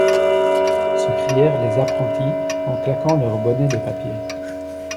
Se crièrent les apprentis en claquant leurs bonnets de papier.